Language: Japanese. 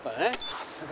さすが。